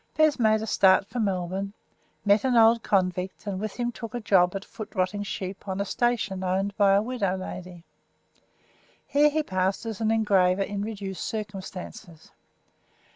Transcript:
Bez made a start for Melbourne, met an old convict, and with him took a job at foot rotting sheep on a station owned by a widow lady. Here he passed as an engraver in reduced circumstances.